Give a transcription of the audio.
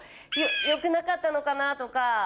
良くなかったのかなとか。